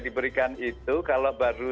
diberikan itu kalau baru